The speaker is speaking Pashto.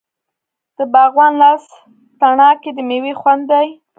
د باغوان لاس تڼاکې د میوې خوند دی.